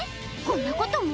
こんなことも？